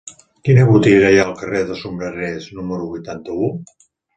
Quina botiga hi ha al carrer dels Sombrerers número vuitanta-u?